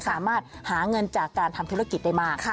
สามารถหาเงินจากการทำธุรกิจได้มาก